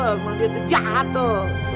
emang dia tuh jahat tuh